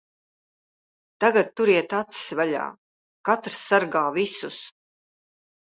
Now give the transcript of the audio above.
Tagad turiet acis vaļā. Katrs sargā visus.